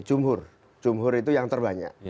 jumhur jumhur itu yang terbanyak